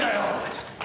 ちょっと。